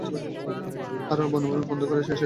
আর বনভূমির অন্ধকারে এসে ঠেকেছে একটা রামধনু।